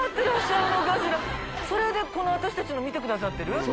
それで私たちの見てくださってる？